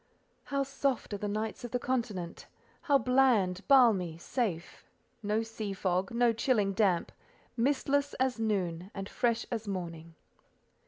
How soft are the nights of the Continent! How bland, balmy, safe! No sea fog; no chilling damp: mistless as noon, and fresh as morning.